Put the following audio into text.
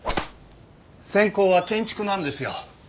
専攻は建築なんですよ。